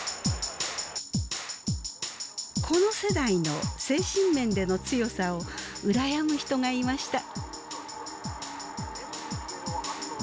この世代の精神面での強さを羨む人がいました。